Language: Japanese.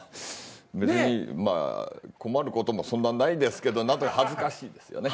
別にまあ困ることもそんなないですけど恥ずかしいですよね。